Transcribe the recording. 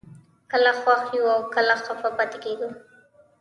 کله خوښ یو او کله خفه پاتې کېږو